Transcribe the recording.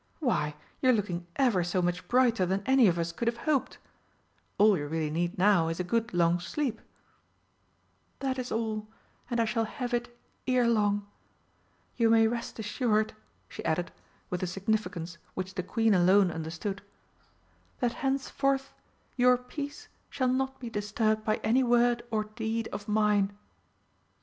Why, you're looking ever so much brighter than any of us could have hoped. All you really need now is a good long sleep." "That is all, and I shall have it ere long. You may rest assured," she added, with a significance which the Queen alone understood, "that henceforth your peace shall not be disturbed by any word or deed of mine."